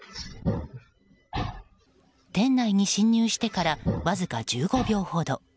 店内に侵入してからわずか１５秒ほど。